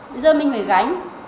bây giờ mình phải gánh